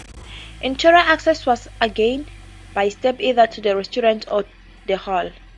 Interior access was again by steps either to the restaurant or the hall.